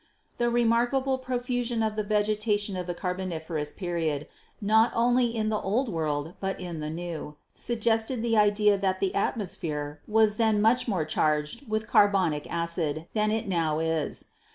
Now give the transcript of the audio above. The remarkable profusion of the vegetation of the Car boniferous period, not only in the Old World but in the New, suggested the idea that the atmosphere was then much more charged with carbonic acid than it now is.